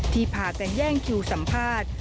พากันแย่งคิวสัมภาษณ์